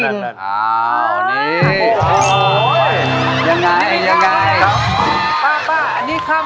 บางทีก็เกาหลีบ้างบางทีก็อันดิสบ้าง